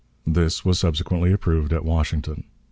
This was subsequently approved at Washington.